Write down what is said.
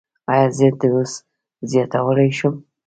ایا زه دوز زیاتولی شم؟